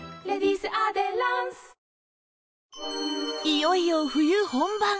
いよいよ冬本番！